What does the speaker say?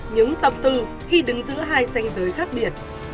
những tâm tư khi đứng giữa hai danh giới khác biệt